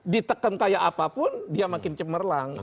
ditekankan apapun dia makin cemerlang